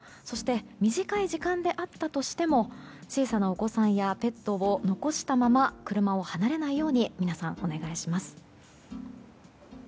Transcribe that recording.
たとえ日陰に駐車をしていてもそして短い時間であったとしても小さなお子さんやペットを残したまま車を離れないように皆さんお願いします。